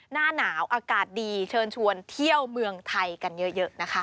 หน้าหนาวอากาศดีเชิญชวนเที่ยวเมืองไทยกันเยอะนะคะ